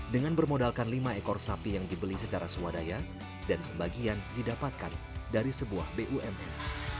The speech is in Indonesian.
dengan bermodalkan lima ekor sapi yang dibeli secara swadaya dan sebagian didapatkan dari sebuah bumn